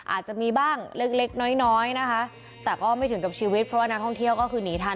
อาจจะมีบ้างเล็กเล็กน้อยน้อยนะคะแต่ก็ไม่ถึงกับชีวิตเพราะว่านักท่องเที่ยวก็คือหนีทัน